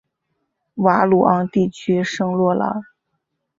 鲁瓦昂地区圣洛朗。